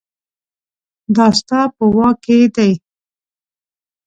دا ستا په واک کې دي